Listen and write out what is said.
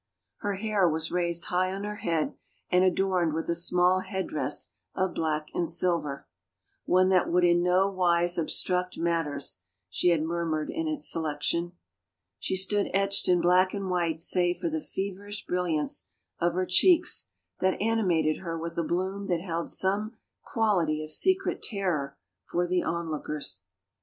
Her hair was raised high on her head, and adorned with a small headdress of black and silver — one that would in no wise obstruct matters, she had murmured in its selection. She stood etched in black and white save for the feverish brilliance of her cheeks that animated her with a bloom that held some quality of secret terror for the onlookers.